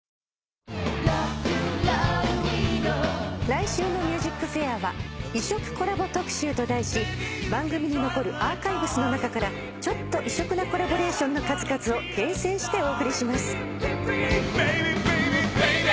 来週の『ＭＵＳＩＣＦＡＩＲ』は異色コラボ特集と題し番組に残るアーカイブスの中からちょっと異色なコラボレーションの数々を厳選してお送りします。